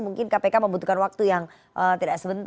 mungkin kpk membutuhkan waktu yang tidak sebentar